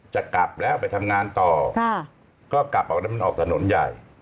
จะกลับแล้วไปทำงานต่อก็กลับออกแล้วมันออกถนนใหญ่